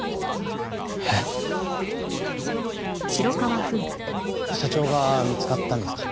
えっ？社長が見つかったんですか？